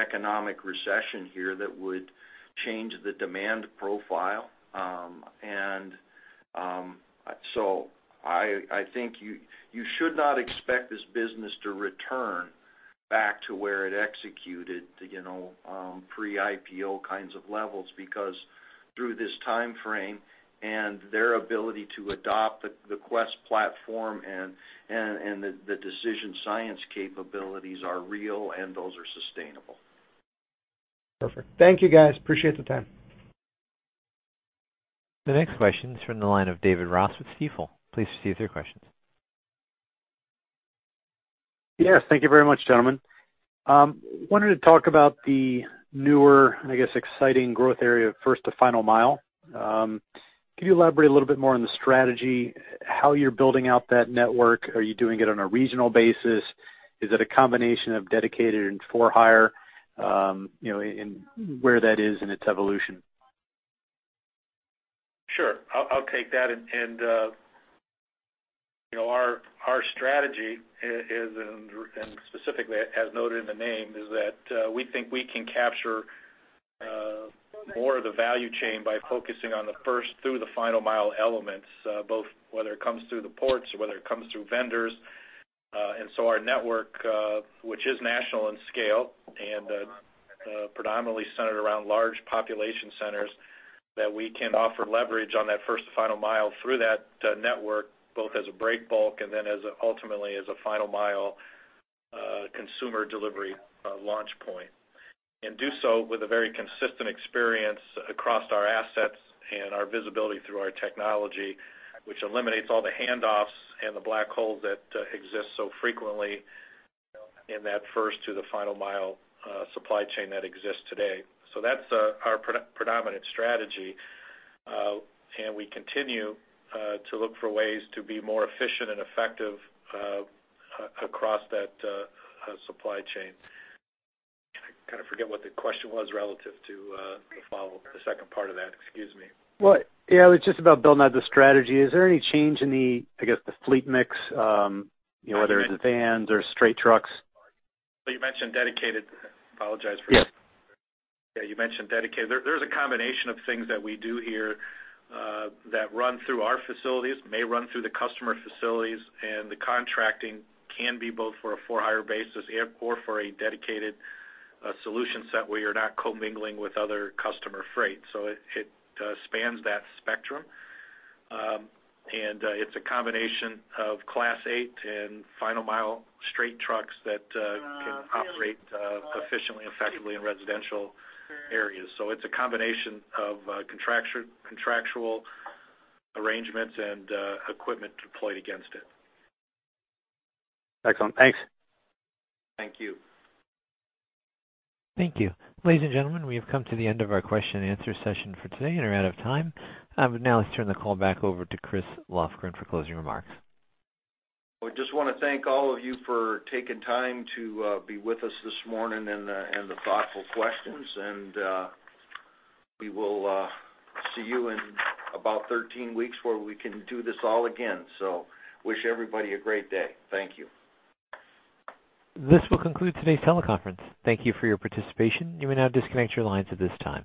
economic recession here that would change the demand profile. And so I think you should not expect this business to return back to where it executed pre-IPO kinds of levels because through this timeframe and their ability to adopt the Quest platform and the decision science capabilities are real, and those are sustainable. Perfect. Thank you, guys. Appreciate the time. The next question is from the line of David Ross with Stifel. Please proceed with your questions. Yes. Thank you very much, gentlemen. Wanted to talk about the newer, I guess, exciting growth area of First to Final Mile. Can you elaborate a little bit more on the strategy, how you're building out that network? Are you doing it on a regional basis? Is it a combination of dedicated and for-hire? And where that is in its evolution. Sure. I'll take that. Our strategy is, and specifically, as noted in the name, is that we think we can capture more of the value chain by focusing on the first through the final mile elements, both whether it comes through the ports or whether it comes through vendors. So our network, which is national in scale and predominantly centered around large population centers, that we can offer leverage on that First to Final Mile through that network, both as a breakbulk and then ultimately as a final mile consumer delivery launch point. Do so with a very consistent experience across our assets and our visibility through our technology, which eliminates all the handoffs and the black holes that exist so frequently in that first to the final mile supply chain that exists today. That's our predominant strategy. And we continue to look for ways to be more efficient and effective across that supply chain. I kind of forget what the question was relative to the second part of that. Excuse me. Right. Yeah. It was just about building out the strategy. Is there any change in, I guess, the fleet mix, whether it's vans or straight trucks? You mentioned Dedicated. I apologize for that. Yes. Yeah. You mentioned dedicated. There's a combination of things that we do here that run through our facilities, may run through the customer facilities. The contracting can be both for a for-hire basis or for a dedicated solution set where you're not co-mingling with other customer freight. So it spans that spectrum. It's a combination of Class 8 and final mile straight trucks that can operate efficiently, effectively in residential areas. So it's a combination of contractual arrangements and equipment deployed against it. Excellent. Thanks. Thank you. Thank you. Ladies and gentlemen, we have come to the end of our question-and-answer session for today and are out of time. But now, let's turn the call back over to Chris Lofgren for closing remarks. I would just want to thank all of you for taking time to be with us this morning and the thoughtful questions. We will see you in about 13 weeks where we can do this all again. Wish everybody a great day. Thank you. This will conclude today's teleconference. Thank you for your participation. You may now disconnect your lines at this time.